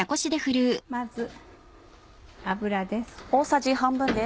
まず油です。